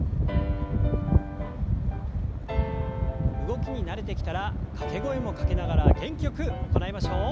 動きに慣れてきたら掛け声もかけながら元気よく行いましょう。